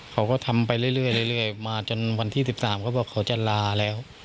เขาก็ทำไปเรื่อยมาจนวันที่๑๓เขาบอกเขาจะลาแล้ว